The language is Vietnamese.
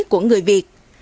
của người việt